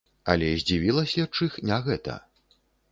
Але здзівіла следчых не гэта.